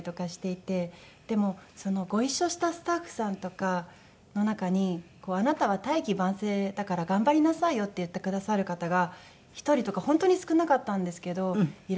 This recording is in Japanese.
でもご一緒したスタッフさんとかの中に「あなたは大器晩成だから頑張りなさいよ」って言ってくださる方が１人とか本当に少なかったんですけどいらっしゃって。